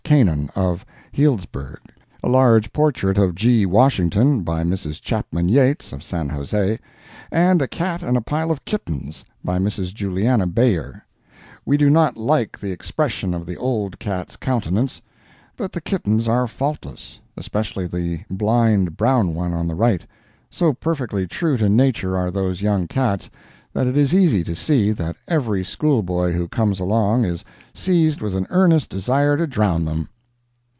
Canan, of Healdsburgh; a large portrait of G. Washington, by Mrs. Chapman Yates, of San Jose; and a cat and a pile of kittens, by Mrs. Juliana Bayer. We do not like the expression of the old cat's countenance, but the kittens are faultless—especially the blind brown one on the right. So perfectly true to nature are those young cats, that it is easy to see that every school boy who comes along is seized with an earnest desire to drown them.